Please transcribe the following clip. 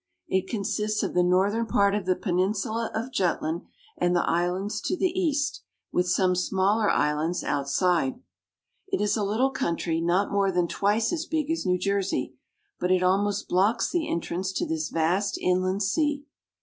It consists of the northern part of the peninsula of Jutland, and the islands to the east, with some smaller islands out side. It is a little country not more than twice as big as New Jersey, but it almost blocks the entrance to this vast inland sea.